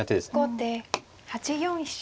後手８四飛車。